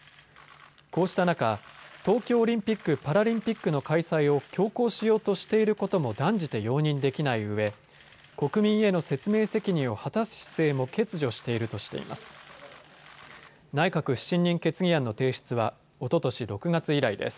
こうした中、東京オリンピック・パラリンピックの開催を強行しようとしていることも断じて容認できないうえ国民への説明責任を果たす姿勢も欠如しているとしています。